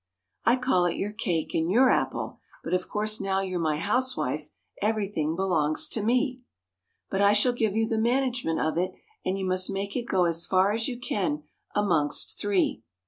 I call it your cake and your apple, but of course now you're my housewife everything belongs to me; But I shall give you the management of it, and you must make it go as far as you can amongst three.